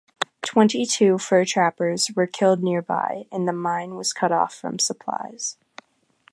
Twenty-two fur trappers were killed nearby and the mine was cut off from supplies.